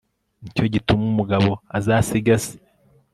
nicyo gituma umugabo azasiga se